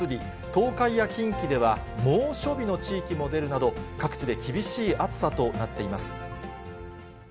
東海や近畿では、猛暑日の地域も出るなど、各地で厳しい暑さとなっています。